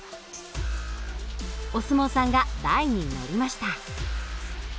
お相撲さんが台に乗りました。